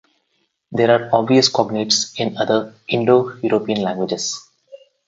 There are obvious cognates in other Indo-European languages.